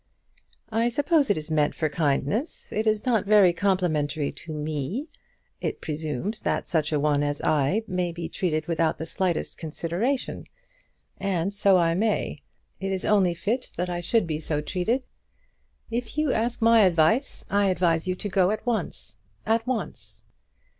"I suppose it is meant for kindness. It is not very complimentary to me. It presumes that such a one as I may be treated without the slightest consideration. And so I may. It is only fit that I should be so treated. If you ask my advice, I advise you to go at once; at once."